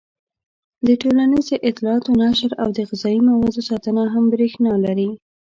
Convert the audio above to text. د ټولنیزو اطلاعاتو نشر او د غذايي موادو ساتنه هم برېښنا لري.